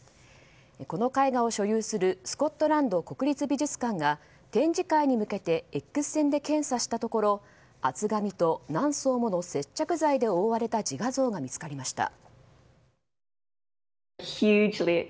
この絵画を所有するスコットランド国立美術館が展示会に向けてＸ線で検査したところ厚紙と何層もの接着剤で覆われた自画像が見つかりました。